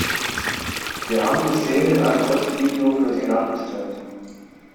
Wir haben die Szene in einem Kurzvideo für Sie nachgestellt.